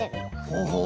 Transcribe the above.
ほうほう。